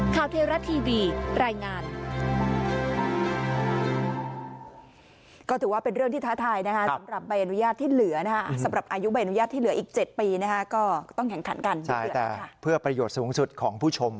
เทราะทีวีรายงาน